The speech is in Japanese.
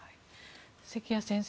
関谷先生